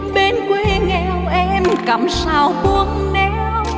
bên quê nghèo em cắm sao buông néo